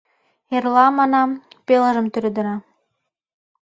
Эрла, манам, пелыжым тӱредына...